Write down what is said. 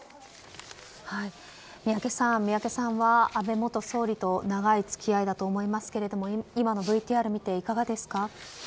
宮家さんは安倍元総理と長い付き合いだと思いますが今のＶＴＲを見ていかがですか。